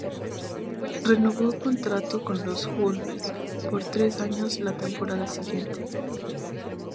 Renovó contrato con los "Wolves" por tres años la temporada siguiente.